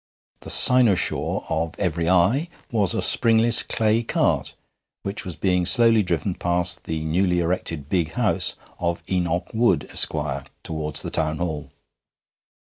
The cynosure of every eye was a springless clay cart, which was being slowly driven past the newly erected 'big house' of Enoch Wood, Esquire, towards the Town Hall.